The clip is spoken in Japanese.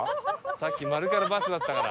さっきマルからバツだったから。